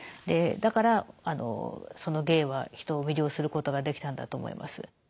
だからその芸は人を魅了することができたんだと思います。